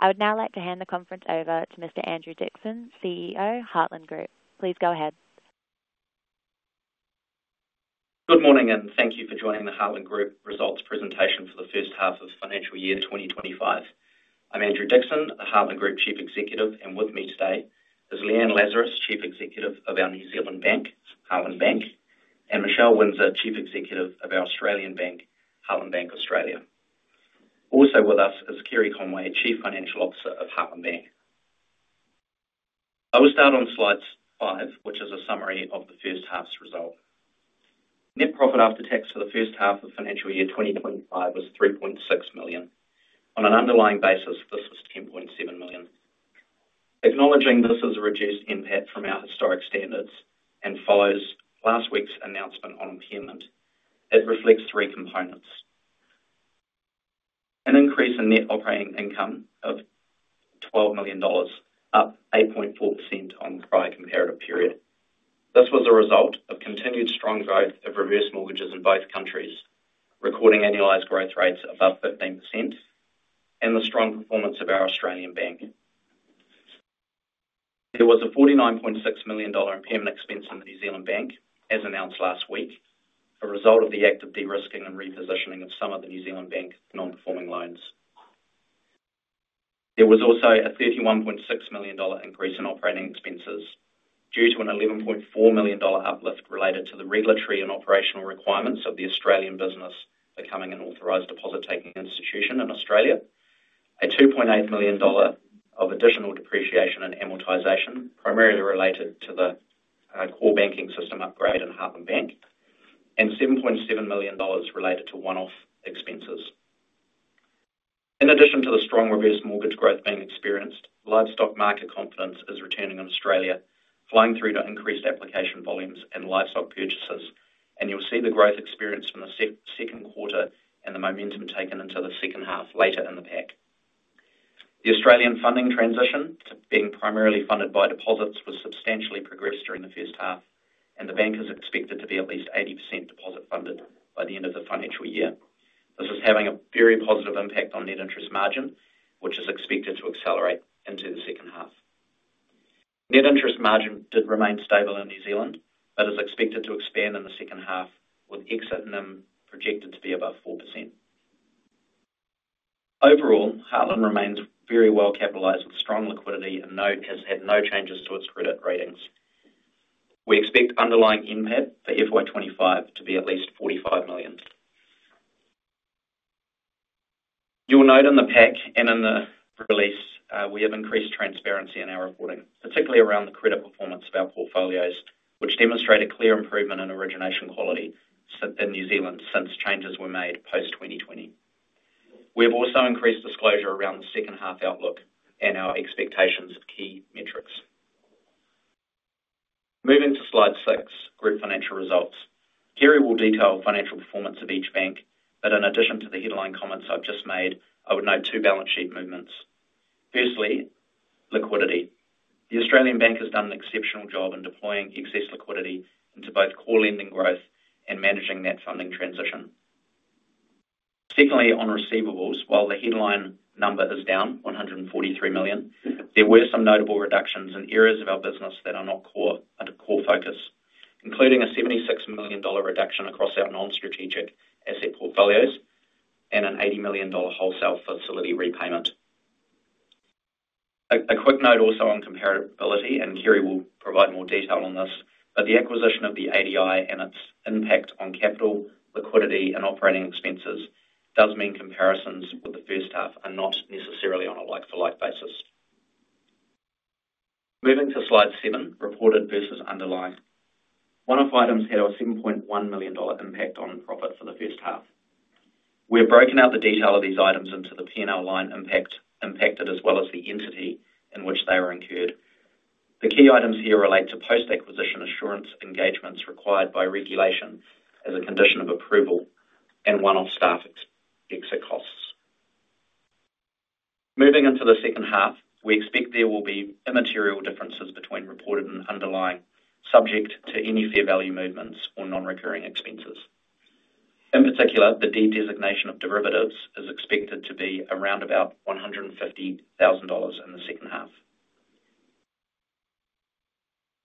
I would now like to hand the conference over to Mr. Andrew Dixson, CEO, Heartland Group. Please go ahead. Good morning, and thank you for joining the Heartland Group results presentation for the first half of financial year 2025. I'm Andrew Dixson, the Heartland Group Chief Executive, and with me today is Leanne Lazarus, Chief Executive of our New Zealand Bank, Heartland Bank, and Michelle Winzer, Chief Executive of our Australian Bank, Heartland Bank Australia. Also with us is Kerry Conway, Chief Financial Officer of Heartland Bank. I will start on slides five, which is a summary of the first half's result. Net profit after tax for the first half of financial year 2025 was 3.6 million. On an underlying basis, this was 10.7 million. Acknowledging this is a reduced impact from our historic standards and follows last week's announcement on impairment, it reflects three components: an increase in net operating income of 12 million dollars, up 8.4% on the prior comparative period. This was a result of continued strong growth of reverse mortgages in both countries, recording annualized growth rates above 15%, and the strong performance of our Australian Bank. There was a 49.6 million dollar impairment expense in the New Zealand Bank, as announced last week, a result of the active de-risking and repositioning of some of the New Zealand Bank non-performing loans. There was also a 31.6 million dollar increase in operating expenses due to a 11.4 million dollar uplift related to the regulatory and operational requirements of the Australian business becoming an authorized deposit-taking institution in Australia, a 2.8 million dollar of additional depreciation and amortization, primarily related to the core banking system upgrade in Heartland Bank, and 7.7 million dollars related to one-off expenses. In addition to the strong reverse mortgage growth being experienced, livestock market confidence is returning in Australia, flowing through to increased application volumes and livestock purchases, and you'll see the growth experienced from the second quarter and the momentum taken into the second half later in the pack. The Australian funding transition to being primarily funded by deposits was substantially progressed during the first half, and the bank is expected to be at least 80% deposit funded by the end of the financial year. This is having a very positive impact on net interest margin, which is expected to accelerate into the second half. Net interest margin did remain stable in New Zealand, but is expected to expand in the second half, with exit NIM projected to be above 4%. Overall, Heartland remains very well capitalized with strong liquidity and has had no changes to its credit ratings. We expect underlying impact for FY 25 to be at least 45 million. You'll note in the pack and in the release, we have increased transparency in our reporting, particularly around the credit performance of our portfolios, which demonstrate a clear improvement in origination quality in New Zealand since changes were made post-2020. We have also increased disclosure around the second half outlook and our expectations of key metrics. Moving to slide six, group financial results. Kerry will detail financial performance of each bank, but in addition to the headline comments I've just made, I would note two balance sheet movements. Firstly, liquidity. The Australian Bank has done an exceptional job in deploying excess liquidity into both core lending growth and managing that funding transition. Secondly, on receivables, while the headline number is down, 143 million, there were some notable reductions in areas of our business that are not core focus, including a 76 million dollar reduction across our non-strategic asset portfolios and an 80 million dollar wholesale facility repayment. A quick note also on comparability, and Kerry will provide more detail on this, but the acquisition of the ADI and its impact on capital, liquidity, and operating expenses does mean comparisons with the first half are not necessarily on a like-for-like basis. Moving to slide seven, reported versus underlying. One of the items had a 7.1 million dollar impact on profit for the first half. We have broken out the detail of these items into the P&L line impacted as well as the entity in which they were incurred. The key items here relate to post-acquisition assurance engagements required by regulation as a condition of approval and one-off staff exit costs. Moving into the second half, we expect there will be immaterial differences between reported and underlying, subject to any fair value movements or non-recurring expenses. In particular, the de-designation of derivatives is expected to be around about 150,000 dollars in the second half.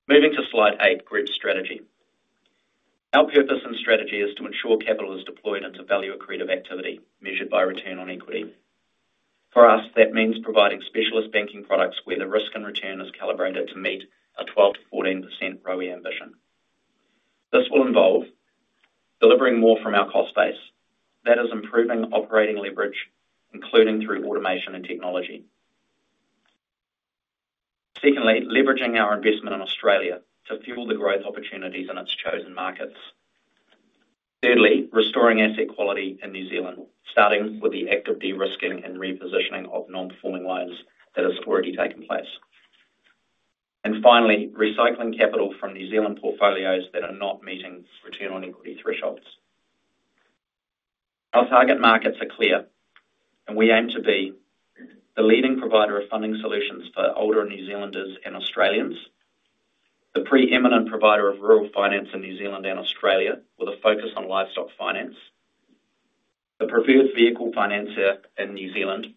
Moving to slide eight, group strategy. Our purpose and strategy is to ensure capital is deployed into value-accretive activity measured by return on equity. For us, that means providing specialist banking products where the risk and return is calibrated to meet a 12%-14% ROE ambition. This will involve delivering more from our cost base, that is, improving operating leverage, including through automation and technology. Secondly, leveraging our investment in Australia to fuel the growth opportunities in its chosen markets. Thirdly, restoring asset quality in New Zealand, starting with the active de-risking and repositioning of non-performing loans that has already taken place. And finally, recycling capital from New Zealand portfolios that are not meeting return on equity thresholds. Our target markets are clear, and we aim to be the leading provider of funding solutions for older New Zealanders and Australians, the preeminent provider of rural finance in New Zealand and Australia with a focus on livestock finance, the preferred vehicle financier in New Zealand,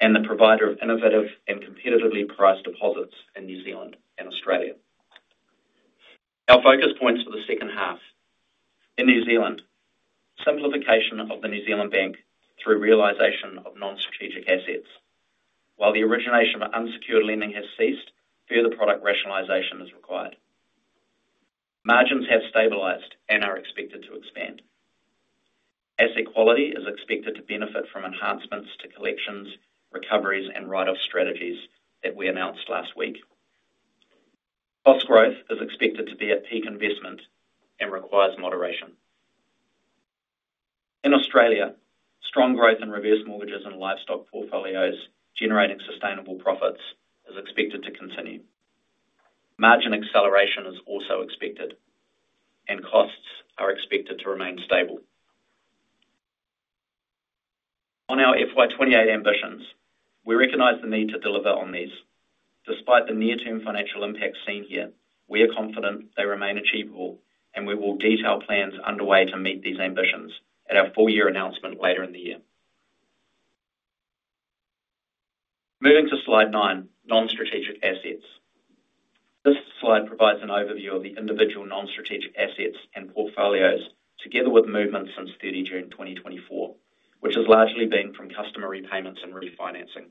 and the provider of innovative and competitively priced deposits in New Zealand and Australia. Our focus points for the second half: in New Zealand, simplification of the New Zealand Bank through realization of non-strategic assets. While the origination of unsecured lending has ceased, further product rationalization is required. Margins have stabilized and are expected to expand. Asset quality is expected to benefit from enhancements to collections, recoveries, and write-off strategies that we announced last week. Cost growth is expected to be at peak investment and requires moderation. In Australia, strong growth in reverse mortgages and livestock portfolios generating sustainable profits is expected to continue. Margin acceleration is also expected, and costs are expected to remain stable. On our FY 28 ambitions, we recognize the need to deliver on these. Despite the near-term financial impact seen here, we are confident they remain achievable, and we will detail plans underway to meet these ambitions at our full-year announcement later in the year. Moving to slide nine, non-strategic assets. This slide provides an overview of the individual non-strategic assets and portfolios together with movements since 30 June 2024, which has largely been from customer repayments and refinancing.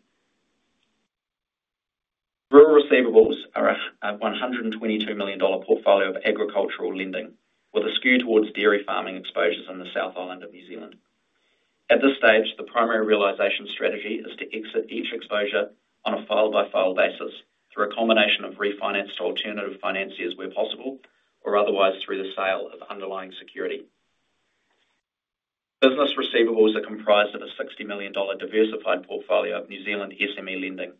Rural receivables are a 122 million dollar portfolio of agricultural lending, with a skew towards dairy farming exposures in the South Island of New Zealand. At this stage, the primary realisation strategy is to exit each exposure on a file-by-file basis through a combination of refinanced alternative financiers where possible, or otherwise through the sale of underlying security. Business receivables are comprised of a 60 million dollar diversified portfolio of New Zealand SME lending.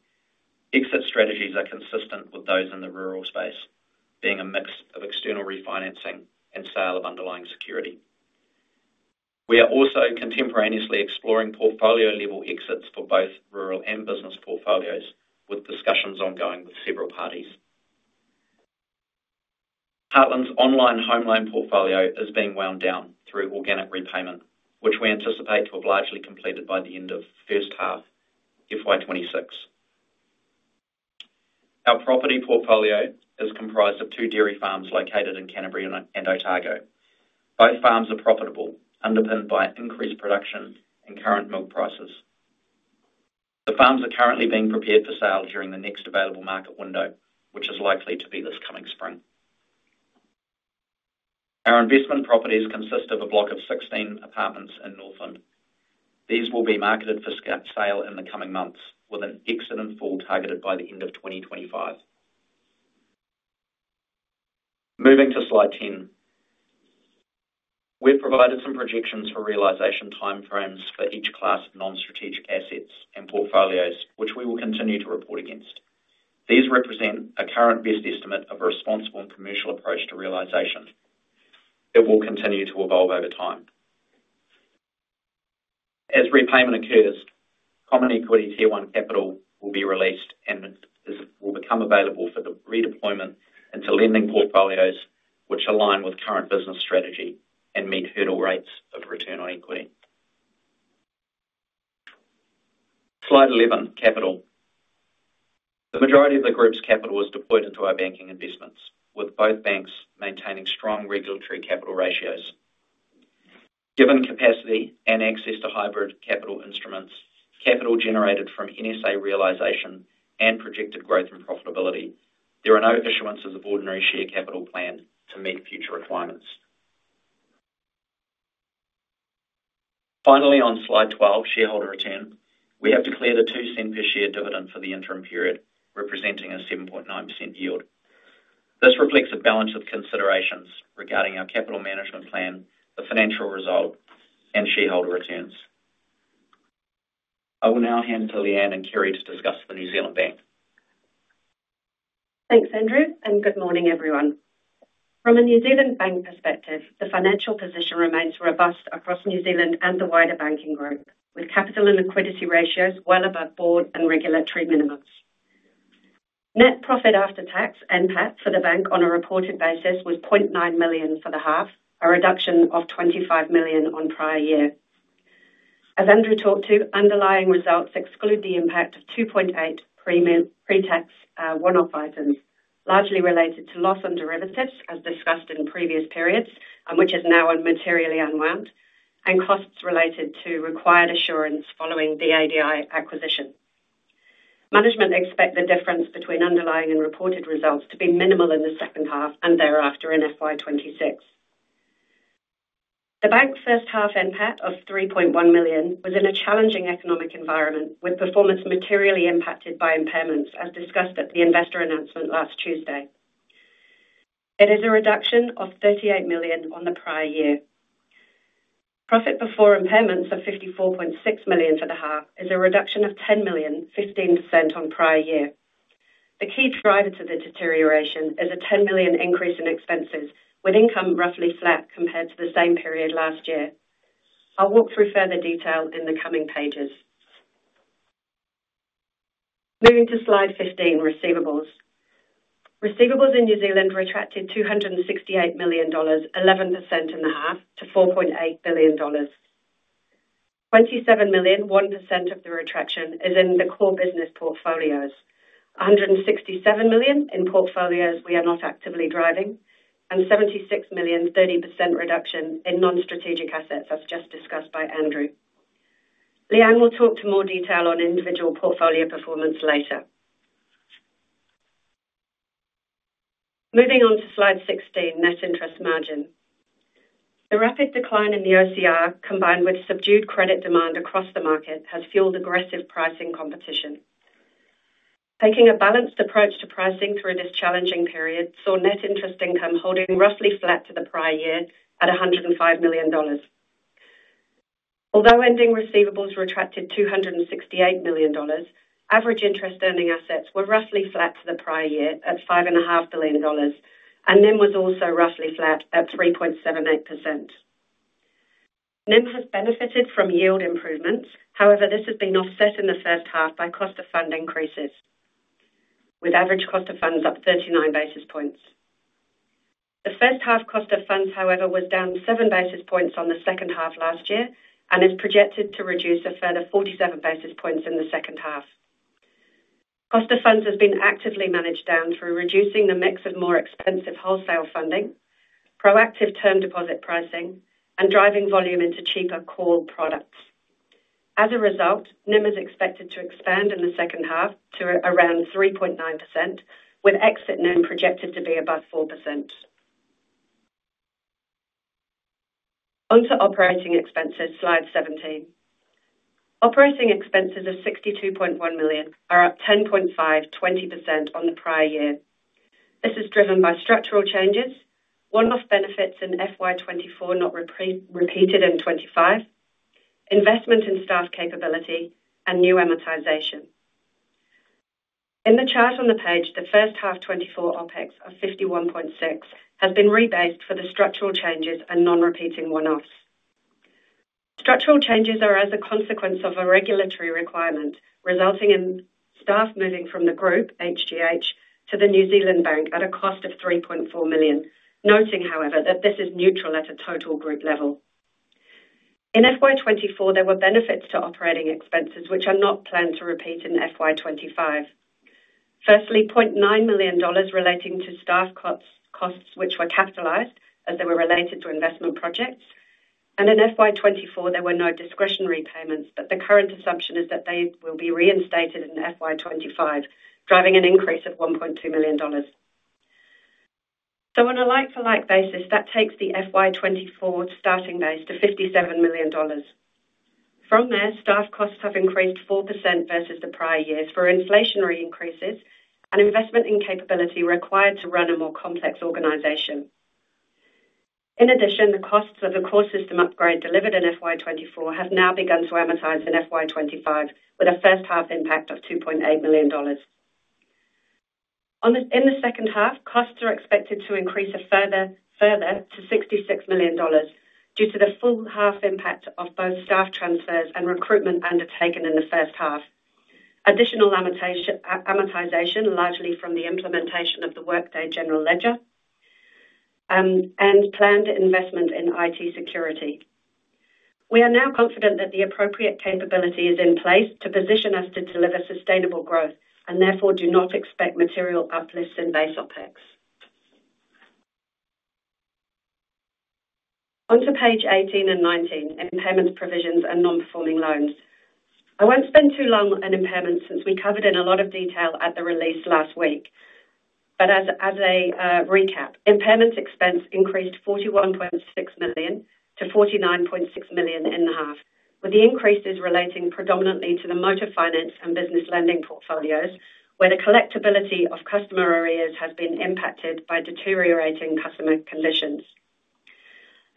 Exit strategies are consistent with those in the rural space, being a mix of external refinancing and sale of underlying security. We are also contemporaneously exploring portfolio-level exits for both rural and business portfolios, with discussions ongoing with several parties. Heartland's online home loan portfolio is being wound down through organic repayment, which we anticipate to have largely completed by the end of first half, FY 26. Our property portfolio is comprised of two dairy farms located in Canterbury and Otago. Both farms are profitable, underpinned by increased production and current milk prices. The farms are currently being prepared for sale during the next available market window, which is likely to be this coming spring. Our investment properties consist of a block of 16 apartments in Northland. These will be marketed for sale in the coming months, with an exit in full targeted by the end of 2025. Moving to slide 10, we've provided some projections for realisation timeframes for each class of non-strategic assets and portfolios, which we will continue to report against. These represent a current best estimate of a responsible and commercial approach to realisation that will continue to evolve over time. As repayment occurs, Common Equity Tier One capital will be released and will become available for the redeployment into lending portfolios, which align with current business strategy and meet hurdle rates of return on equity. Slide 11, capital. The majority of the group's capital is deployed into our banking investments, with both banks maintaining strong regulatory capital ratios. Given capacity and access to hybrid capital instruments, capital generated from NSA realisation and projected growth and profitability, there are no issuances of ordinary share capital planned to meet future requirements. Finally, on slide 12, shareholder return, we have declared a 0.02 per share dividend for the interim period, representing a 7.9% yield. This reflects a balance of considerations regarding our capital management plan, the financial result, and shareholder returns. I will now hand to Leanne and Kerry to discuss the New Zealand Bank. Thanks, Andrew, and good morning, everyone. From a New Zealand Bank perspective, the financial position remains robust across New Zealand and the wider banking group, with capital and liquidity ratios well above Board and regulatory minimums. Net profit after tax, NPAT, for the bank on a reported basis was 0.9 million for the half, a reduction of 25 million on prior year. As Andrew talked to, underlying results exclude the impact of 2.8 million pre-tax one-off items, largely related to loss on derivatives, as discussed in previous periods, which is now materially unwound, and costs related to required assurance following the ADI acquisition. Management expect the difference between underlying and reported results to be minimal in the second half and thereafter in FY 26. The bank's first half NPAT of 3.1 million was in a challenging economic environment, with performance materially impacted by impairments, as discussed at the investor announcement last Tuesday. It is a reduction of 38 million on the prior year. Profit before impairments of 54.6 million for the half is a reduction of 10 million, 15% on prior year. The key driver to the deterioration is a 10 million increase in expenses, with income roughly flat compared to the same period last year. I'll walk through further detail in the coming pages. Moving to slide 15, receivables. Receivables in New Zealand retracted 268 million dollars, 11% in the half, to 4.8 billion dollars. 27 million, 1% of the retraction, is in the core business portfolios, 167 million in portfolios we are not actively driving, and 76 million, 30% reduction in non-strategic assets, as just discussed by Andrew. Leanne will talk to more detail on individual portfolio performance later. Moving on to slide 16, net interest margin. The rapid decline in the OCR, combined with subdued credit demand across the market, has fueled aggressive pricing competition. Taking a balanced approach to pricing through this challenging period saw net interest income holding roughly flat to the prior year at 105 million dollars. Although ending receivables retracted 268 million dollars, average interest earning assets were roughly flat to the prior year at 5.5 billion dollars, and NIM was also roughly flat at 3.78%. NIM has benefited from yield improvements. However, this has been offset in the first half by cost of fund increases, with average cost of funds up 39 basis points. The first half cost of funds, however, was down seven basis points on the second half last year and is projected to reduce a further 47 basis points in the second half. Cost of funds has been actively managed down through reducing the mix of more expensive wholesale funding, proactive term deposit pricing, and driving volume into cheaper core products. As a result, NIM is expected to expand in the second half to around 3.9%, with exit NIM projected to be above 4%. Onto operating expenses, Slide 17. Operating expenses of 62.1 million are up 10.5%, 20% on the prior year. This is driven by structural changes, one-off benefits in FY 24 not repeated in 2025, investment in staff capability, and new amortization. In the chart on the page, the first half 2024 OpEx of 51.6 million has been rebased for the structural changes and non-repeating one-offs. Structural changes are as a consequence of a regulatory requirement, resulting in staff moving from the group, HGH, to the New Zealand Bank at a cost of 3.4 million, noting, however, that this is neutral at a total group level. In FY 24, there were benefits to operating expenses which are not planned to repeat in FY 25. Firstly, 0.9 million dollars relating to staff costs, which were capitalized as they were related to investment projects. And in FY 24, there were no discretionary payments, but the current assumption is that they will be reinstated in FY 25, driving an increase of 1.2 million dollars. So, on a like-for-like basis, that takes the FY 24 starting base to 57 million dollars. From there, staff costs have increased 4% versus the prior years for inflationary increases and investment in capability required to run a more complex organization. In addition, the costs of the core system upgrade delivered in FY 24 have now begun to amortize in FY 25, with a first half impact of 2.8 million dollars. In the second half, costs are expected to increase further to 66 million dollars due to the full half impact of both staff transfers and recruitment undertaken in the first half. Additional amortisation, largely from the implementation of the Workday general ledger and planned investment in IT security. We are now confident that the appropriate capability is in place to position us to deliver sustainable growth and therefore do not expect material uplifts in base OpEx. Onto page 18 and 19, impairments, provisions, and non-performing loans. I won't spend too long on impairments since we covered in a lot of detail at the release last week, but as a recap, impairment expense increased 41.6 million to 49.6 million in the half, with the increases relating predominantly to the motor finance and business lending portfolios, where the collectibility of customer arrears has been impacted by deteriorating customer conditions.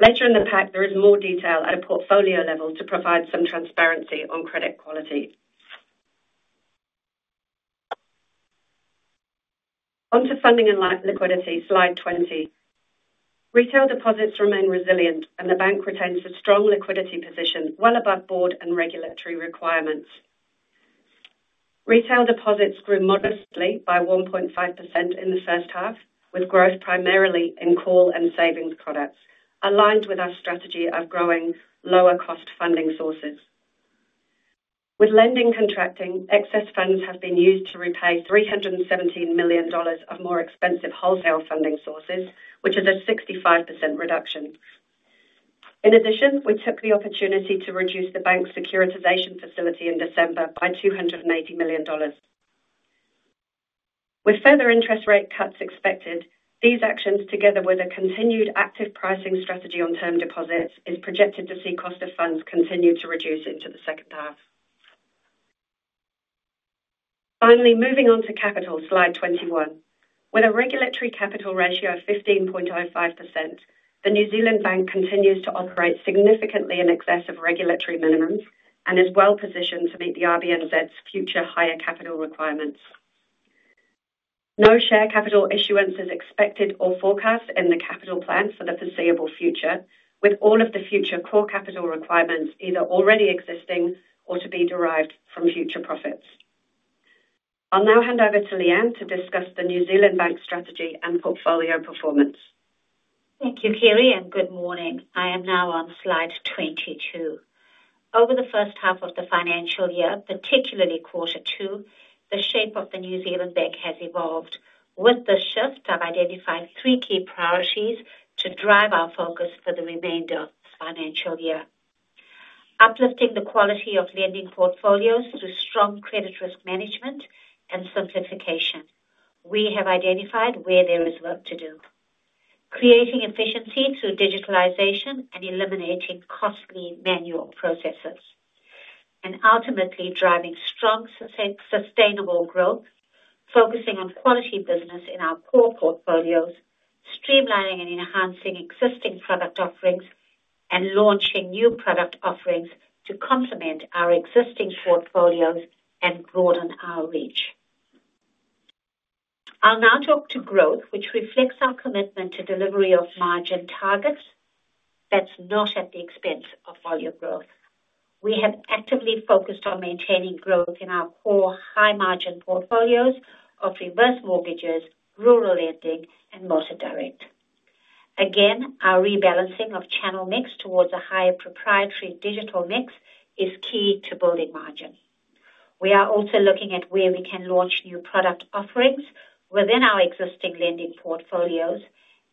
Later in the pack, there is more detail at a portfolio level to provide some transparency on credit quality. Onto funding and liquidity, slide 20. Retail deposits remain resilient, and the bank retains a strong liquidity position well above Board and regulatory requirements. Retail deposits grew modestly by 1.5% in the first half, with growth primarily in call and savings products, aligned with our strategy of growing lower-cost funding sources. With lending contracting, excess funds have been used to repay $317 million of more expensive wholesale funding sources, which is a 65% reduction. In addition, we took the opportunity to reduce the bank's securitisation facility in December by $280 million. With further interest rate cuts expected, these actions, together with a continued active pricing strategy on term deposits, is projected to see cost of funds continue to reduce into the second half. Finally, moving on to capital, slide 21. With a regulatory capital ratio of 15.05%, the New Zealand Bank continues to operate significantly in excess of regulatory minimums and is well positioned to meet the RBNZ's future higher capital requirements. No share capital issuance is expected or forecast in the capital plan for the foreseeable future, with all of the future core capital requirements either already existing or to be derived from future profits. I'll now hand over to Leanne to discuss the New Zealand Bank strategy and portfolio performance. Thank you, Kerry, and good morning. I am now on slide 22. Over the first half of the financial year, particularly quarter two, the shape of the New Zealand Bank has evolved. With this shift, I've identified three key priorities to drive our focus for the remainder of the financial year: uplifting the quality of lending portfolios through strong credit risk management and simplification. We have identified where there is work to do: creating efficiency through digitalization and eliminating costly manual processes, and ultimately driving strong sustainable growth, focusing on quality business in our core portfolios, streamlining and enhancing existing product offerings, and launching new product offerings to complement our existing portfolios and broaden our reach. I'll now talk to growth, which reflects our commitment to delivery of margin targets, but not at the expense of volume growth. We have actively focused on maintaining growth in our core high-margin portfolios of reverse mortgages, rural lending, and motor direct. Again, our rebalancing of channel mix towards a higher proprietary digital mix is key to building margin. We are also looking at where we can launch new product offerings within our existing lending portfolios.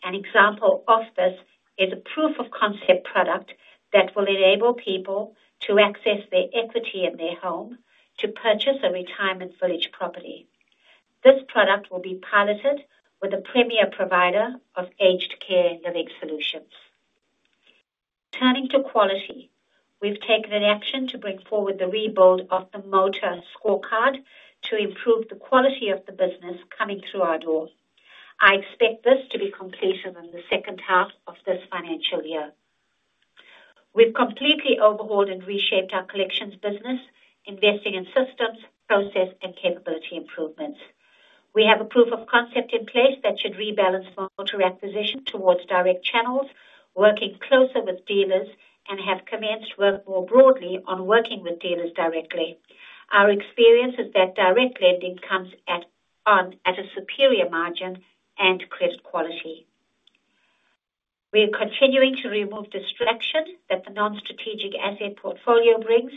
An example of this is a proof of concept product that will enable people to access their equity in their home to purchase a retirement village property. This product will be piloted with a premier provider of aged care and living solutions. Turning to quality, we've taken an action to bring forward the rebuild of the motor scorecard to improve the quality of the business coming through our door. I expect this to be completed in the second half of this financial year. We've completely overhauled and reshaped our collections business, investing in systems, process, and capability improvements. We have a proof of concept in place that should rebalance motor acquisition towards direct channels, working closer with dealers, and have commenced work more broadly on working with dealers directly. Our experience is that direct lending comes on at a superior margin and credit quality. We are continuing to remove distraction that the non-strategic asset portfolio brings.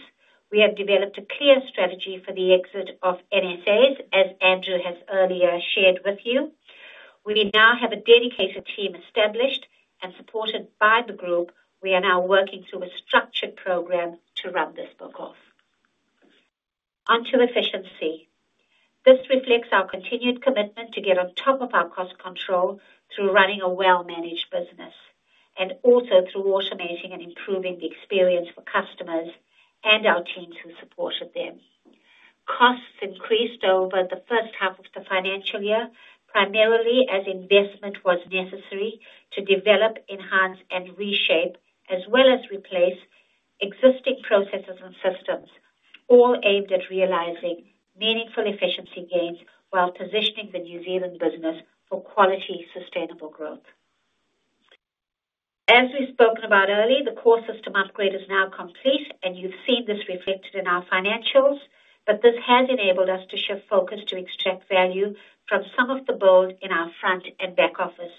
We have developed a clear strategy for the exit of NSAs, as Andrew has earlier shared with you. We now have a dedicated team established and supported by the group. We are now working through a structured program to run this book off. Onto efficiency. This reflects our continued commitment to get on top of our cost control through running a well-managed business and also through automating and improving the experience for customers and our teams who supported them. Costs increased over the first half of the financial year, primarily as investment was necessary to develop, enhance, and reshape, as well as replace existing processes and systems, all aimed at realizing meaningful efficiency gains while positioning the New Zealand business for quality, sustainable growth. As we've spoken about earlier, the core system upgrade is now complete, and you've seen this reflected in our financials, but this has enabled us to shift focus to extract value from some of the bots in our front and back office.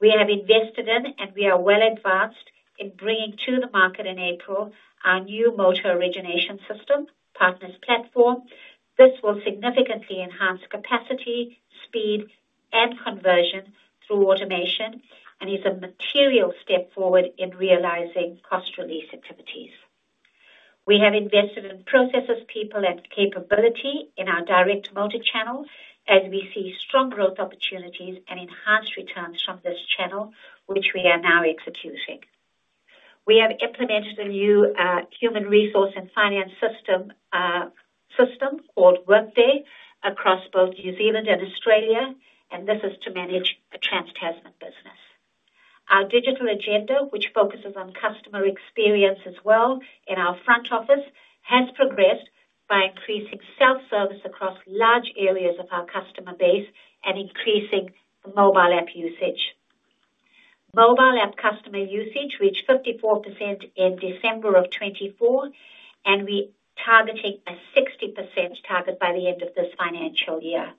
We have invested in, and we are well advanced in bringing to the market in April our new motor origination system, Partners Platform. This will significantly enhance capacity, speed, and conversion through automation and is a material step forward in realizing cost release activities. We have invested in processes, people, and capability in our direct motor channel as we see strong growth opportunities and enhanced returns from this channel, which we are now executing. We have implemented a new human resource and finance system called Workday across both New Zealand and Australia, and this is to manage a trans-tasman business. Our digital agenda, which focuses on customer experience as well in our front office, has progressed by increasing self-service across large areas of our customer base and increasing mobile app usage. Mobile app customer usage reached 54% in December of 2024, and we are targeting a 60% target by the end of this financial year.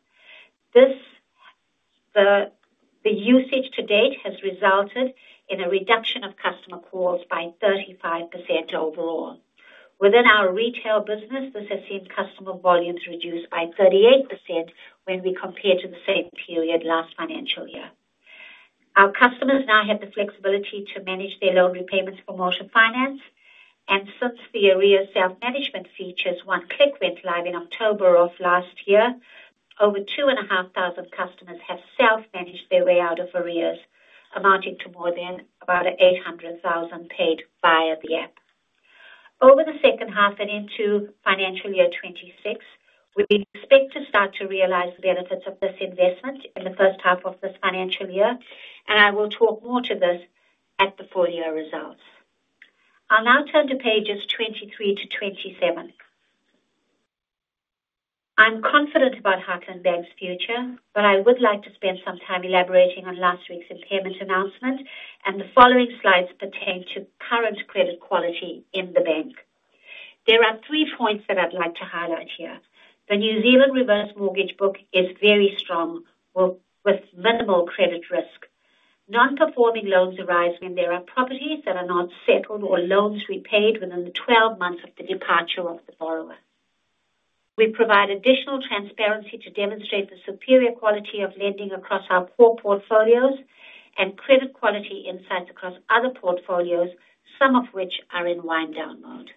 The usage to date has resulted in a reduction of customer calls by 35% overall. Within our retail business, this has seen customer volumes reduced by 38% when we compare to the same period last financial year. Our customers now have the flexibility to manage their loan repayments for motor finance, and since the arrears self-management features One-click went live in October of last year, over two and a half thousand customers have self-managed their way out of arrears, amounting to more than about 800,000 paid via the app. Over the second half and into financial year 2026, we expect to start to realize the benefits of this investment in the first half of this financial year, and I will talk more to this at the full year results. I'll now turn to pages 23 to 27. I'm confident about Heartland Bank's future, but I would like to spend some time elaborating on last week's impairment announcement, and the following slides pertain to current credit quality in the bank. There are three points that I'd like to highlight here. The New Zealand reverse mortgage book is very strong with minimal credit risk. Non-performing loans arise when there are properties that are not settled or loans repaid within the 12 months of the departure of the borrower. We provide additional transparency to demonstrate the superior quality of lending across our core portfolios and credit quality insights across other portfolios, some of which are in wind-down mode.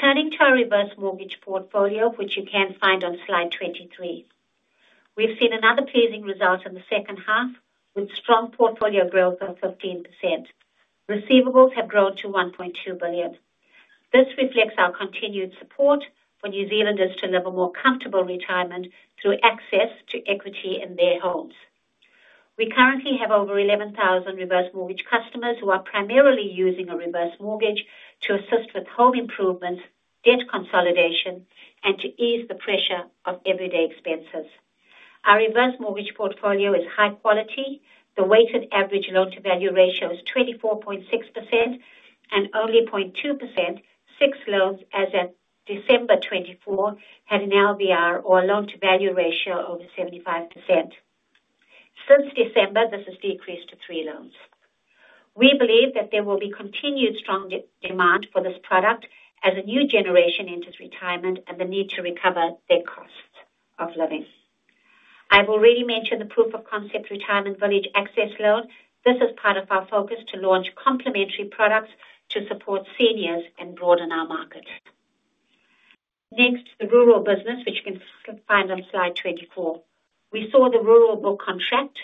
Turning to our reverse mortgage portfolio, which you can find on slide 23, we've seen another pleasing result in the second half with strong portfolio growth of 15%. Receivables have grown to 1.2 billion. This reflects our continued support for New Zealanders to live a more comfortable retirement through access to equity in their homes. We currently have over 11,000 reverse mortgage customers who are primarily using a reverse mortgage to assist with home improvements, debt consolidation, and to ease the pressure of everyday expenses. Our reverse mortgage portfolio is high quality. The weighted average loan-to-value ratio is 24.6%, and only 0.2%, six loans as of December 2024, had an LVR or a loan-to-value ratio over 75%. Since December, this has decreased to three loans. We believe that there will be continued strong demand for this product as a new generation enters retirement and the need to recover their costs of living. I've already mentioned the proof of concept retirement village access loan. This is part of our focus to launch complementary products to support seniors and broaden our market. Next, the rural business, which you can find on slide 24. We saw the rural book contract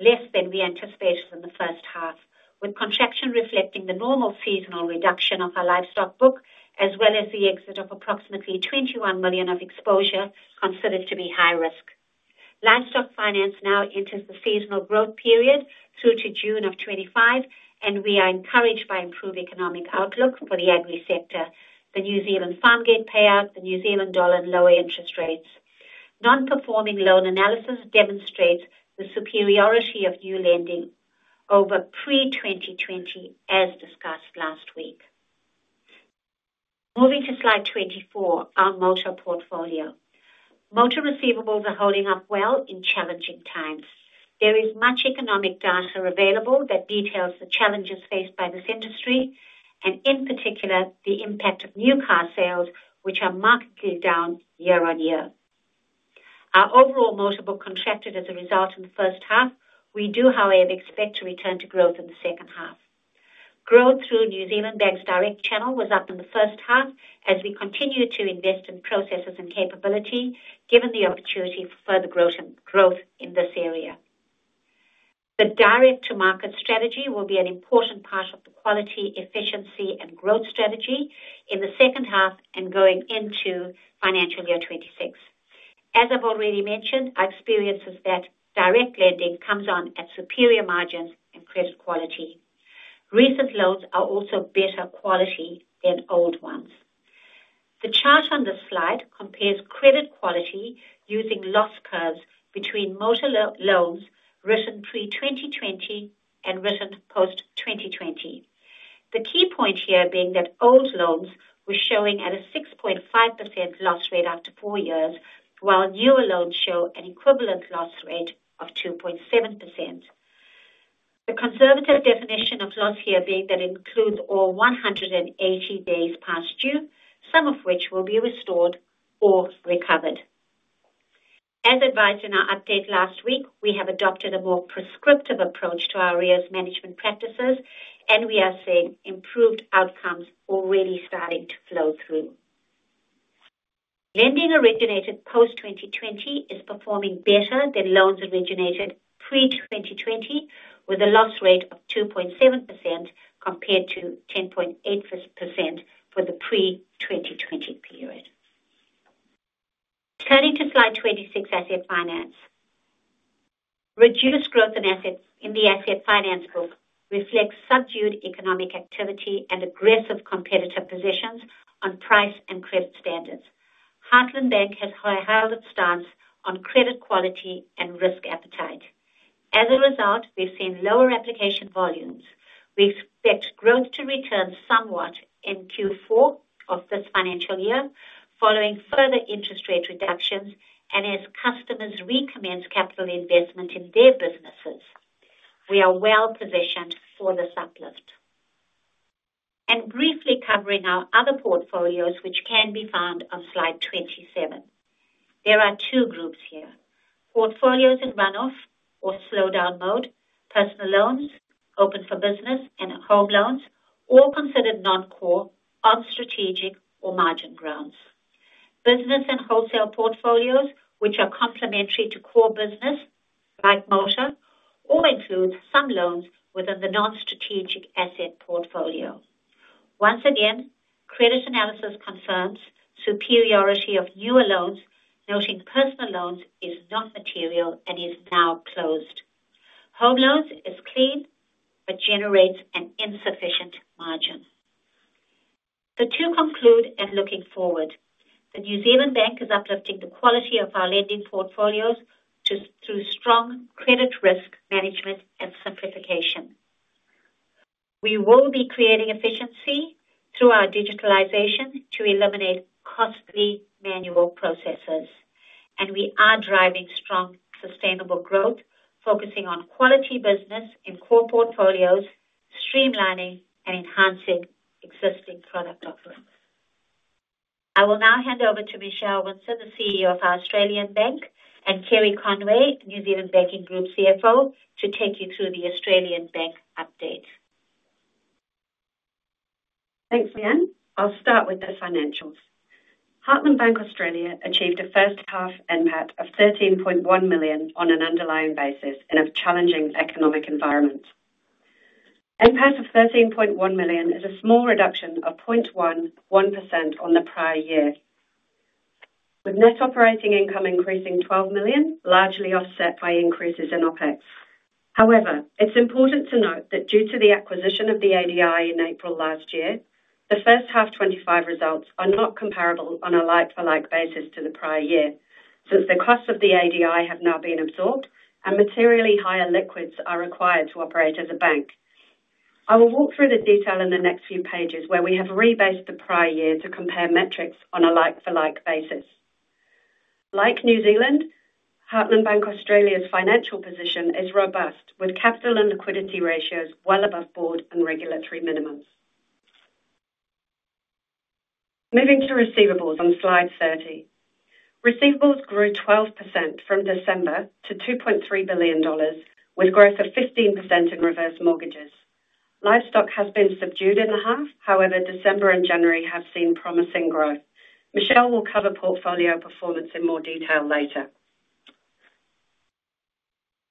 less than we anticipated in the first half, with contraction reflecting the normal seasonal reduction of our livestock book, as well as the exit of approximately 21 million of exposure considered to be high risk. Livestock finance now enters the seasonal growth period through to June of 2025, and we are encouraged by improved economic outlook for the sector, the New Zealand farm gate payout, the New Zealand dollar, and lower interest rates. Non-performing loan analysis demonstrates the superiority of new lending over pre-2020, as discussed last week. Moving to slide 24, our motor portfolio. Motor receivables are holding up well in challenging times. There is much economic data available that details the challenges faced by this industry, and in particular, the impact of new car sales, which are markedly down year on year. Our overall motor book contracted as a result in the first half. We do, however, expect to return to growth in the second half. Growth through Heartland Bank's direct channel was up in the first half as we continue to invest in processes and capability, given the opportunity for further growth in this area. The direct-to-market strategy will be an important part of the quality, efficiency, and growth strategy in the second half and going into financial year 2026. As I've already mentioned, our experience is that direct lending comes on at superior margins and credit quality. Recent loans are also better quality than old ones. The chart on this slide compares credit quality using loss curves between motor loans written pre-2020 and written post-2020. The key point here being that old loans were showing at a 6.5% loss rate after four years, while newer loans show an equivalent loss rate of 2.7%. The conservative definition of loss here being that it includes all 180 days past due, some of which will be restored or recovered. As advised in our update last week, we have adopted a more prescriptive approach to our arrears management practices, and we are seeing improved outcomes already starting to flow through. Lending originated post-2020 is performing better than loans originated pre-2020, with a loss rate of 2.7% compared to 10.8% for the pre-2020 period. Turning to slide 26, asset finance. Reduced growth in the asset finance book reflects subdued economic activity and aggressive competitor positions on price and credit standards. Heartland Bank has held its stance on credit quality and risk appetite. As a result, we've seen lower application volumes. We expect growth to return somewhat in Q4 of this financial year, following further interest rate reductions and as customers recommence capital investment in their businesses. We are well positioned for the uplift. Briefly covering our other portfolios, which can be found on slide 27. There are two groups here: portfolios in run-off or slowdown mode, personal loans, Open for Business, and home loans, all considered non-core, non-strategic or margin grounds. Business and wholesale portfolios, which are complementary to core business like motor, all include some loans within the non-strategic asset portfolio. Once again, credit analysis confirms superiority of newer loans, noting personal loans is not material and is now closed. Home loans is clean but generates an insufficient margin. The two conclude and looking forward. Heartland Bank is uplifting the quality of our lending portfolios through strong credit risk management and simplification. We will be creating efficiency through our digitalization to eliminate costly manual processes, and we are driving strong sustainable growth, focusing on quality business in core portfolios, streamlining and enhancing existing product offerings. I will now hand over to Michelle Winzer, the CEO of Heartland Bank Australia, and Kerry Conway, New Zealand Banking Group CFO, to take you through the Heartland Bank Australia update. Thanks, Leanne. I'll start with the financials. Heartland Bank Australia achieved a first-half NPAT of 13.1 million on an underlying basis in a challenging economic environment. NPAT of 13.1 million is a small reduction of 0.11% on the prior year, with net operating income increasing 12 million, largely offset by increases in OpEx. However, it's important to note that due to the acquisition of the ADI in April last year, the first half 2025 results are not comparable on a like-for-like basis to the prior year since the costs of the ADI have now been absorbed and materially higher liquids are required to operate as a bank. I will walk through the detail in the next few pages where we have rebased the prior year to compare metrics on a like-for-like basis. Like New Zealand, Heartland Bank Australia's financial position is robust, with capital and liquidity ratios well above Board and regulatory minimums. Moving to receivables on slide 30. Receivables grew 12% from December to 2.3 billion dollars, with growth of 15% in reverse mortgages. Livestock has been subdued in the half. However, December and January have seen promising growth. Michelle will cover portfolio performance in more detail later.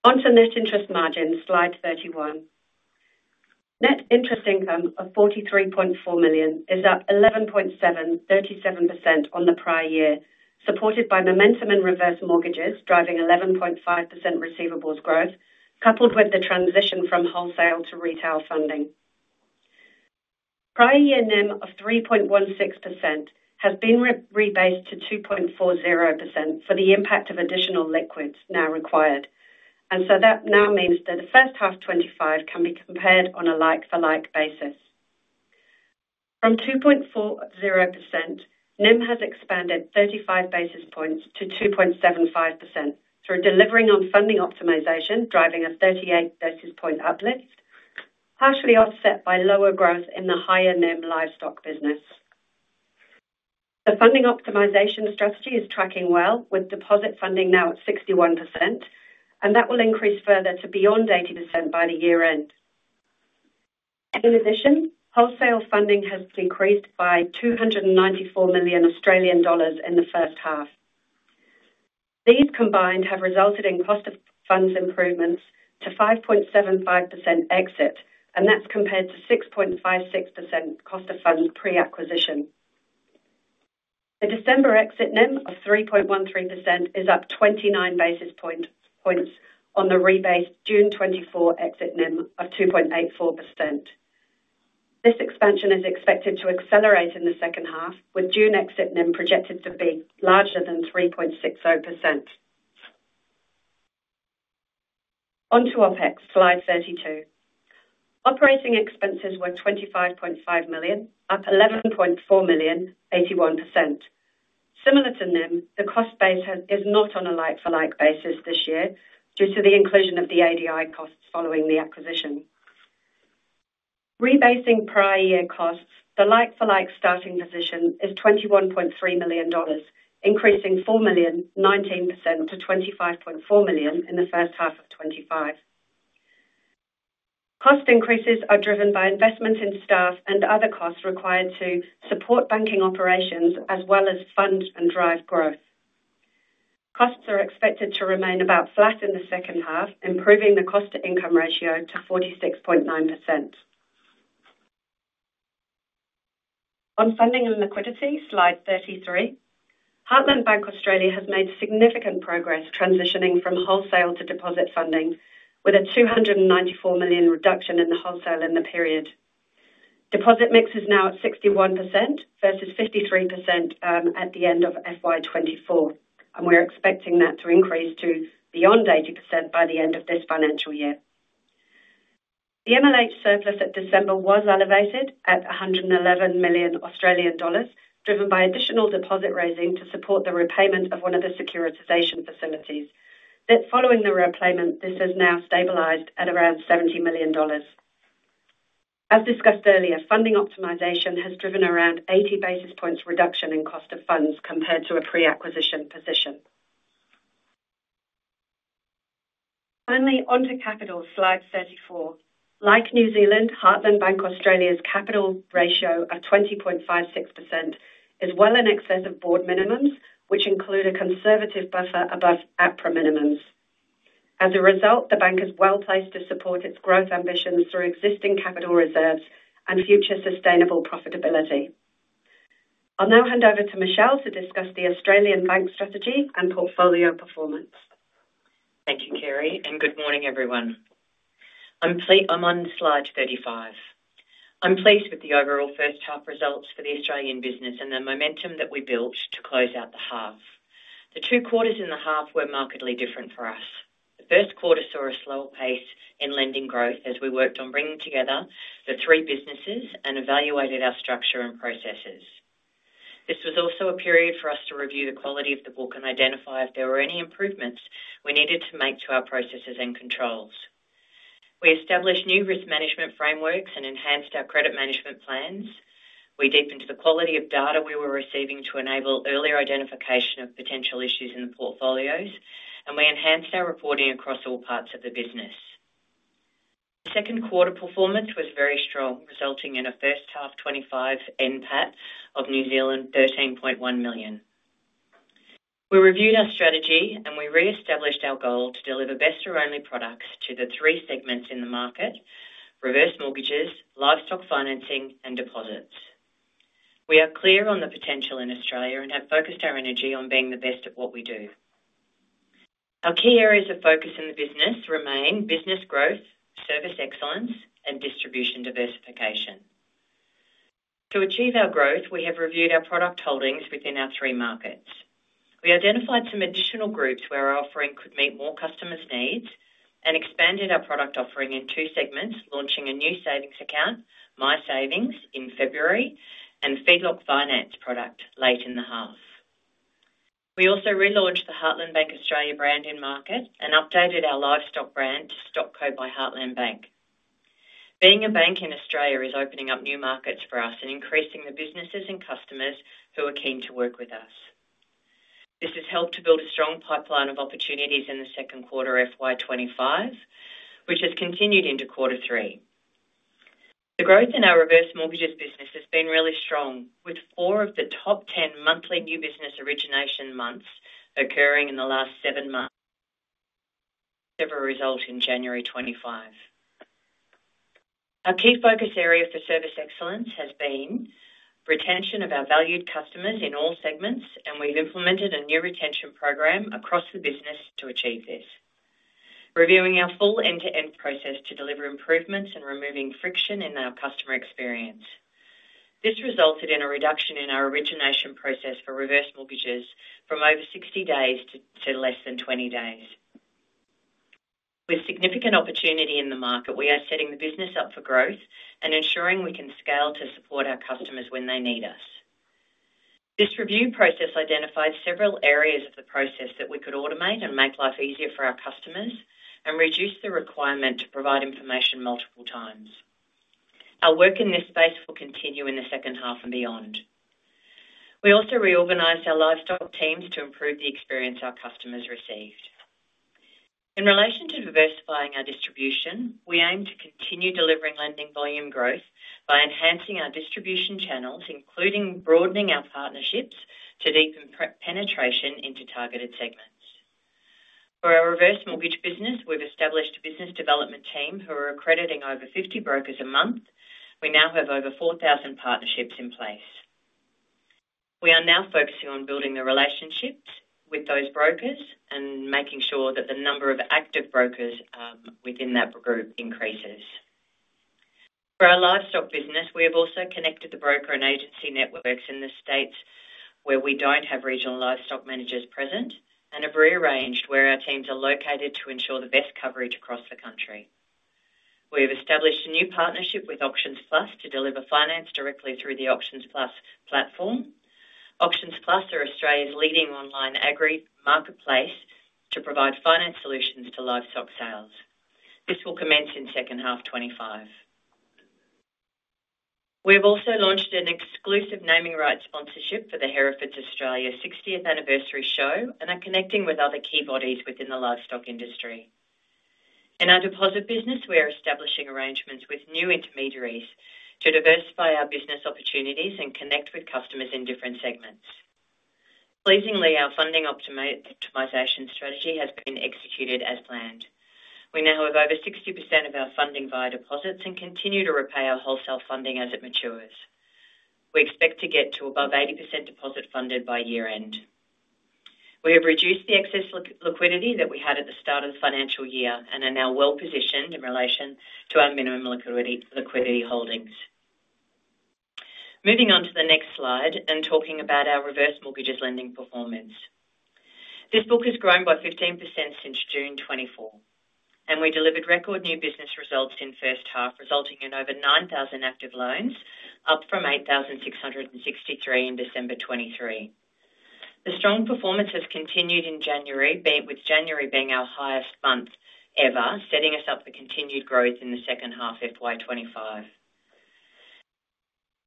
Onto net interest margins, slide 31. Net interest income of 43.4 million is at 11.737% on the prior year, supported by momentum in reverse mortgages driving 11.5% receivables growth, coupled with the transition from wholesale to retail funding. Prior year NIM of 3.16% has been rebased to 2.40% for the impact of additional liquidity now required, and so that now means that the first half 2025 can be compared on a like-for-like basis. From 2.40%, NIM has expanded 35 basis points to 2.75% through delivering on funding optimization, driving a 38 basis point uplift, partially offset by lower growth in the higher NIM livestock business. The funding optimization strategy is tracking well, with deposit funding now at 61%, and that will increase further to beyond 80% by the year end. In addition, wholesale funding has decreased by 294 million Australian dollars in the first half. These combined have resulted in cost of funds improvements to 5.75% exit, and that's compared to 6.56% cost of funds pre-acquisition. The December exit NIM of 3.13% is up 29 basis points on the rebased June 2024 exit NIM of 2.84%. This expansion is expected to accelerate in the second half, with June exit NIM projected to be larger than 3.60%. Onto OpEx, slide 32. Operating expenses were 25.5 million, up 11.4 million, 81%. Similar to NIM, the cost base is not on a like-for-like basis this year due to the inclusion of the ADI costs following the acquisition. Rebasing prior year costs, the like-for-like starting position is 21.3 million dollars, increasing 4 million, 19% to 25.4 million in the first half of 2025. Cost increases are driven by investment in staff and other costs required to support banking operations as well as fund and drive growth. Costs are expected to remain about flat in the second half, improving the cost-to-income ratio to 46.9%. On funding and liquidity, slide 33. Heartland Bank Australia has made significant progress transitioning from wholesale to deposit funding, with a 294 million reduction in the wholesale in the period. Deposit mix is now at 61% versus 53% at the end of FY 2024, and we're expecting that to increase to beyond 80% by the end of this financial year. The MLH surplus at December was elevated at 111 million Australian dollars, driven by additional deposit raising to support the repayment of one of the securitization facilities. Following the repayment, this has now stabilized at around 70 million dollars. As discussed earlier, funding optimization has driven around 80 basis points reduction in cost of funds compared to a pre-acquisition position. Finally, onto capital, slide 34. Like New Zealand, Heartland Bank Australia's capital ratio of 20.56% is well in excess of Board minimums, which include a conservative buffer above APRA minimums. As a result, the bank is well placed to support its growth ambitions through existing capital reserves and future sustainable profitability. I'll now hand over to Michelle to discuss the Australian Bank strategy and portfolio performance. Thank you, Kerry, and good morning, everyone. I'm on slide 35. I'm pleased with the overall first-half results for the Australian business and the momentum that we built to close out the half. The two quarters in the half were markedly different for us. The Q1 saw a slower pace in lending growth as we worked on bringing together the three businesses and evaluated our structure and processes. This was also a period for us to review the quality of the book and identify if there were any improvements we needed to make to our processes and controls. We established new risk management frameworks and enhanced our credit management plans. We deepened the quality of data we were receiving to enable earlier identification of potential issues in the portfolios, and we enhanced our reporting across all parts of the business. The second quarter performance was very strong, resulting in a first-half '25 NPAT of 13.1 million. We reviewed our strategy, and we re-established our goal to deliver best-for-only products to the three segments in the market: reverse mortgages, livestock financing, and deposits. We are clear on the potential in Australia and have focused our energy on being the best at what we do. Our key areas of focus in the business remain business growth, service excellence, and distribution diversification. To achieve our growth, we have reviewed our product holdings within our three markets. We identified some additional groups where our offering could meet more customers' needs and expanded our product offering in two segments, launching a new savings account, My Savings, in February, and Feedlot Finance product late in the half. We also relaunched the Heartland Bank Australia brand in market and updated our livestock brand to StockCo by Heartland Bank. Being a bank in Australia is opening up new markets for us and increasing the businesses and customers who are keen to work with us. This has helped to build a strong pipeline of opportunities in the second quarter FY 25, which has continued into quarter three. The growth in our reverse mortgages business has been really strong, with four of the top 10 monthly new business origination months occurring in the last seven months as a result in January 2025. Our key focus area for service excellence has been retention of our valued customers in all segments, and we've implemented a new retention program across the business to achieve this, reviewing our full end-to-end process to deliver improvements and removing friction in our customer experience. This resulted in a reduction in our origination process for reverse mortgages from over 60 days to less than 20 days. With significant opportunity in the market, we are setting the business up for growth and ensuring we can scale to support our customers when they need us. This review process identified several areas of the process that we could automate and make life easier for our customers and reduce the requirement to provide information multiple times. Our work in this space will continue in the second half and beyond. We also reorganized our livestock teams to improve the experience our customers received. In relation to diversifying our distribution, we aim to continue delivering lending volume growth by enhancing our distribution channels, including broadening our partnerships to deepen penetration into targeted segments. For our reverse mortgage business, we've established a business development team who are accrediting over 50 brokers a month. We now have over 4,000 partnerships in place. We are now focusing on building the relationships with those brokers and making sure that the number of active brokers within that group increases. For our livestock business, we have also connected the broker and agency networks in the states where we don't have regional livestock managers present and have rearranged where our teams are located to ensure the best coverage across the country. We have established a new partnership with AuctionsPlus to deliver finance directly through the AuctionsPlus platform. AuctionsPlus is Australia's leading online agri marketplace to provide finance solutions to livestock sales. This will commence in second half 2025. We have also launched an exclusive naming rights sponsorship for the Herefords Australia 60th anniversary show and are connecting with other key bodies within the livestock industry. In our deposit business, we are establishing arrangements with new intermediaries to diversify our business opportunities and connect with customers in different segments. Pleasingly, our funding optimization strategy has been executed as planned. We now have over 60% of our funding via deposits and continue to repay our wholesale funding as it matures. We expect to get to above 80% deposit funded by year-end. We have reduced the excess liquidity that we had at the start of the financial year and are now well positioned in relation to our minimum liquidity holdings. Moving on to the next slide and talking about our reverse mortgages lending performance. This book has grown by 15% since June 2024, and we delivered record new business results in first half, resulting in over 9,000 active loans, up from 8,663 in December 2023. The strong performance has continued in January, with January being our highest month ever, setting us up for continued growth in the second half FY 25.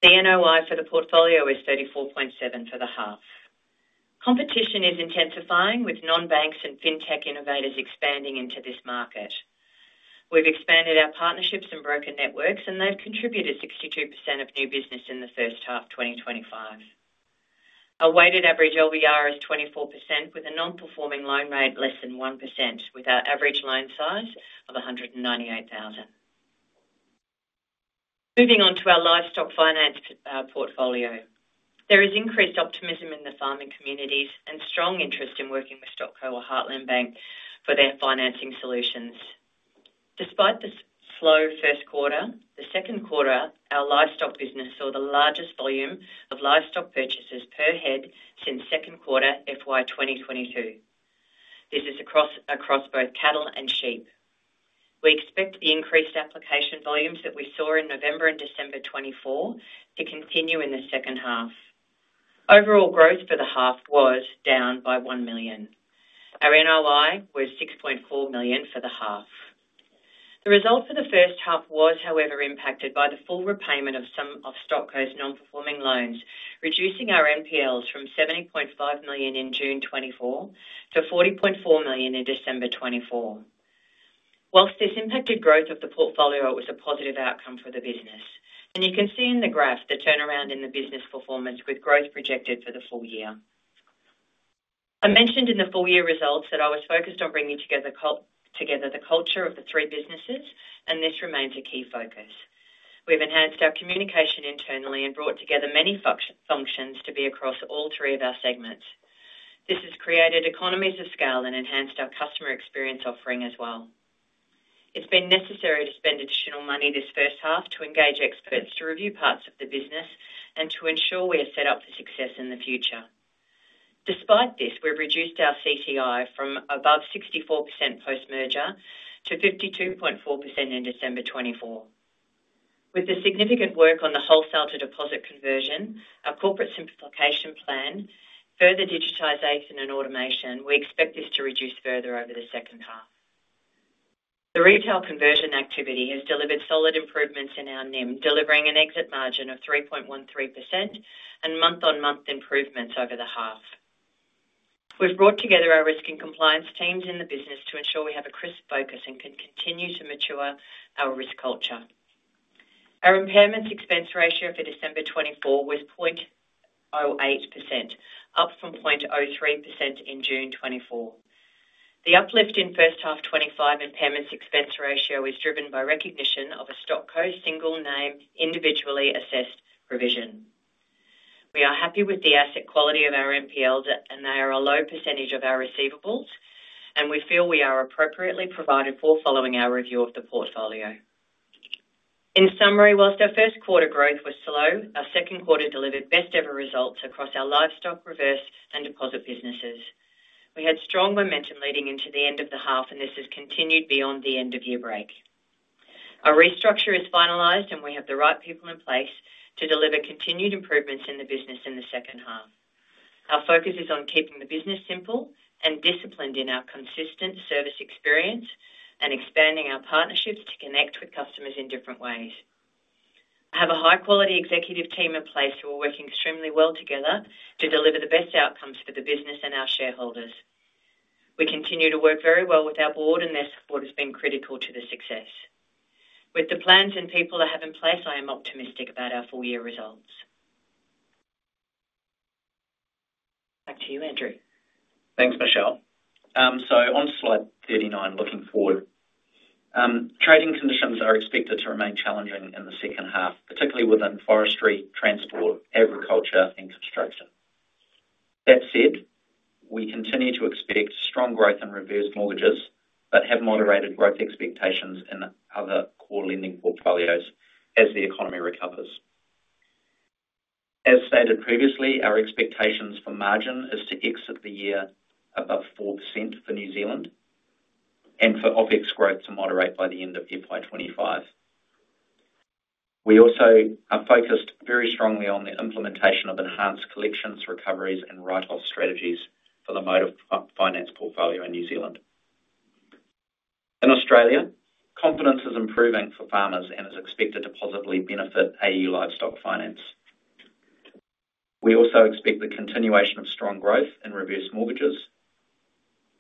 The NOI for the portfolio is 34.7 for the half. Competition is intensifying, with non-banks and fintech innovators expanding into this market. We've expanded our partnerships and broker networks, and they've contributed 62% of new business in the first half 2025. Our weighted average LVR is 24%, with a non-performing loan rate less than 1%, with our average loan size of 198,000. Moving on to our livestock finance portfolio, there is increased optimism in the farming communities and strong interest in working with StockCo or Heartland Bank for their financing solutions. Despite the slow Q1, the second quarter, our livestock business saw the largest volume of livestock purchases per head since second quarter FY 2022. This is across both cattle and sheep. We expect the increased application volumes that we saw in November and December 2024 to continue in the second half. Overall growth for the half was down by 1 million. Our NOI was 6.4 million for the half. The result for the first half was, however, impacted by the full repayment of some of StockCo's non-performing loans, reducing our NPLs from 70.5 million in June 2024 to 40.4 million in December 2024. While this impacted growth of the portfolio, it was a positive outcome for the business, and you can see in the graph the turnaround in the business performance with growth projected for the full year. I mentioned in the full year results that I was focused on bringing together the culture of the three businesses, and this remains a key focus. We've enhanced our communication internally and brought together many functions to be across all three of our segments. This has created economies of scale and enhanced our customer experience offering as well. It's been necessary to spend additional money this first half to engage experts to review parts of the business and to ensure we are set up for success in the future. Despite this, we've reduced our CTI from above 64% post-merger to 52.4% in December 2024. With the significant work on the wholesale to deposit conversion, our corporate simplification plan, further digitization and automation, we expect this to reduce further over the second half. The retail conversion activity has delivered solid improvements in our NIM, delivering an exit margin of 3.13% and month-on-month improvements over the half. We've brought together our risk and compliance teams in the business to ensure we have a crisp focus and can continue to mature our risk culture. Our impairments expense ratio for December 2024 was 0.08%, up from 0.03% in June 2024. The uplift in first half 2025 impairments expense ratio is driven by recognition of a StockCo single name individually assessed provision. We are happy with the asset quality of our NPLs, and they are a low percentage of our receivables, and we feel we are appropriately provided for following our review of the portfolio. In summary, while our Q1 growth was slow, our second quarter delivered best-ever results across our livestock, reverse, and deposit businesses. We had strong momentum leading into the end of the half, and this has continued beyond the end of year break. Our restructure is finalized, and we have the right people in place to deliver continued improvements in the business in the second half. Our focus is on keeping the business simple and disciplined in our consistent service experience and expanding our partnerships to connect with customers in different ways. I have a high-quality executive team in place who are working extremely well together to deliver the best outcomes for the business and our shareholders. We continue to work very well with our Board, and their support has been critical to the success. With the plans and people I have in place, I am optimistic about our full year results. Back to you, Andrew. Thanks, Michelle. So on slide 39, looking forward, trading conditions are expected to remain challenging in the second half, particularly within forestry, transport, agriculture, and construction. That said, we continue to expect strong growth in reverse mortgages but have moderated growth expectations in other core lending portfolios as the economy recovers. As stated previously, our expectations for margin is to exit the year above 4% for New Zealand and for OpEx growth to moderate by the end of FY 2025. We also are focused very strongly on the implementation of enhanced collections, recoveries, and write-off strategies for the motor finance portfolio in New Zealand. In Australia, confidence is improving for farmers and is expected to positively benefit Australian livestock finance. We also expect the continuation of strong growth in reverse mortgages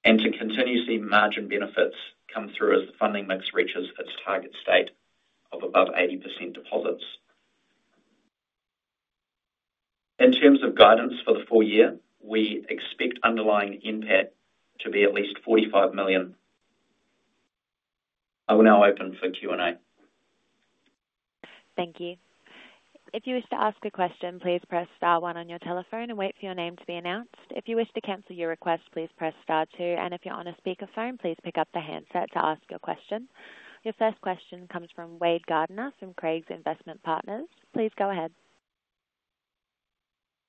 and to continue to see margin benefits come through as the funding mix reaches its target state of above 80% deposits. In terms of guidance for the full year, we expect underlying NPAT to be at least 45 million. I will now open for Q&A. Thank you. If you wish to ask a question, please press star one on your telephone and wait for your name to be announced. If you wish to cancel your request, please press star two, and if you're on a speakerphone, please pick up the handset to ask your question. Your first question comes from Wade Gardiner from Craigs Investment Partners. Please go ahead.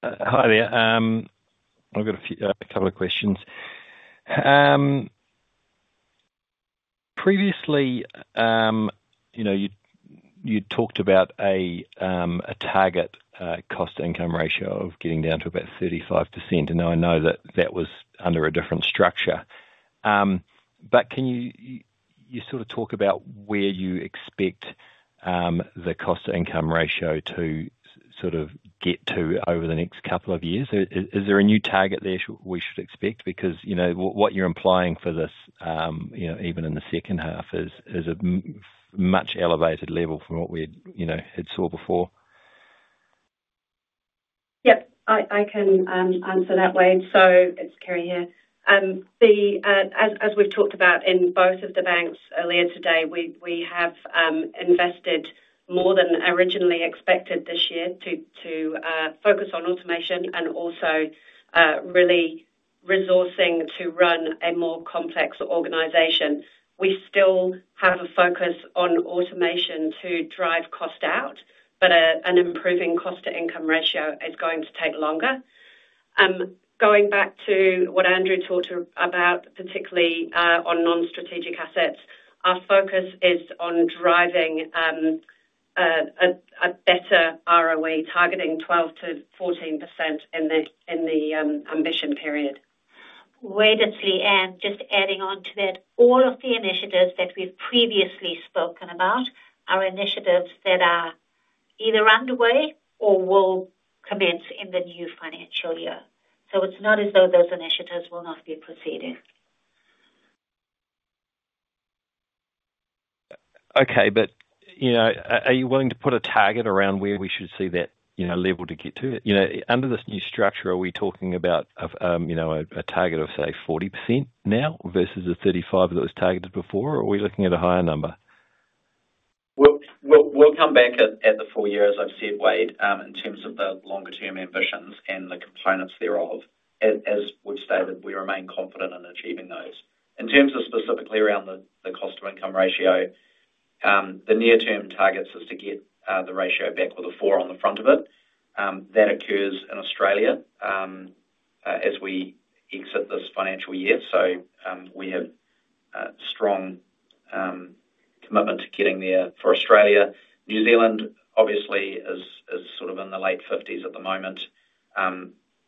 Hi there. I've got a couple of questions. Previously, you'd talked about a target cost-to-income ratio of getting down to about 35%. And I know that that was under a different structure. But can you sort of talk about where you expect the cost-to-income ratio to sort of get to over the next couple of years? Is there a new target there we should expect? Because what you're implying for this, even in the second half, is a much elevated level from what we had saw before. Yep, I can answer that, Wade. So it's Kerry here. As we've talked about in both of the banks earlier today, we have invested more than originally expected this year to focus on automation and also really resourcing to run a more complex organization. We still have a focus on automation to drive cost out, but an improving cost-to-income ratio is going to take longer. Going back to what Andrew talked about, particularly on non-strategic assets, our focus is on driving a better ROE, targeting 12%-14% in the ambition period. Wade at the end, just adding on to that, all of the initiatives that we've previously spoken about are initiatives that are either underway or will commence in the new financial year. So it's not as though those initiatives will not be proceeding. Okay, but are you willing to put a target around where we should see that level to get to it? Under this new structure, are we talking about a target of, say, 40% now versus the 35% that was targeted before? Or are we looking at a higher number? We'll come back at the full year, as I've said, Wade, in terms of the longer-term ambitions and the components thereof. As we've stated, we remain confident in achieving those. In terms of specifically around the cost-to-income ratio, the near-term target is to get the ratio back with a four on the front of it. That occurs in Australia as we exit this financial year. So we have a strong commitment to getting there for Australia. New Zealand, obviously, is sort of in the late 50s at the moment.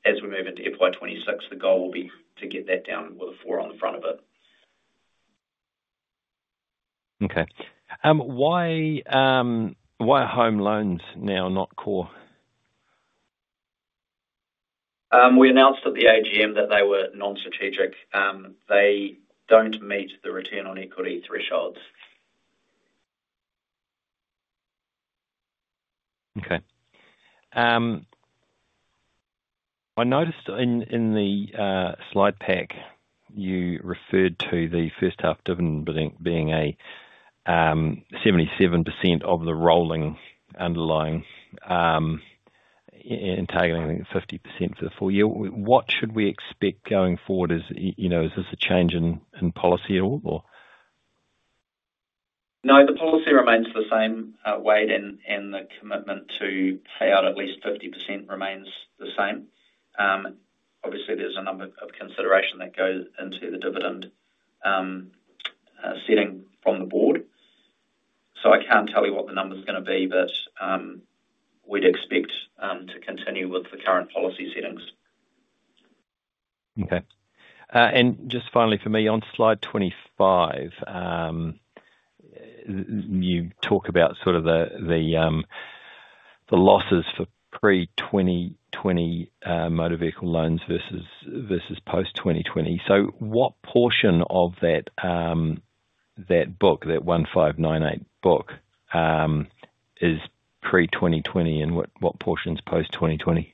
As we move into FY 26, the goal will be to get that down with a four on the front of it. Okay. Why home loans now, not core? We announced at the AGM that they were non-strategic. They don't meet the return on equity thresholds. Okay. I noticed in the slide pack, you referred to the first half dividend being 77% of the rolling underlying targeting 50% for the full year. What should we expect going forward? Is this a change in policy at all, or? No, the policy remains the same, Wade, and the commitment to pay out at least 50% remains the same. Obviously, there's a number of considerations that go into the dividend setting from the Board. So I can't tell you what the number's going to be, but we'd expect to continue with the current policy settings. Okay. And just finally, for me, on slide 25, you talk about sort of the losses for pre-2020 motor vehicle loans versus post-2020. So what portion of that book, that $1.598 billion book, is pre-2020, and what portion's post-2020?